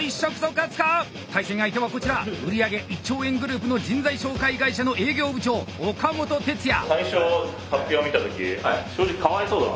対戦相手はこちら売り上げ１兆円グループの人材紹介会社の営業部長岡本哲也。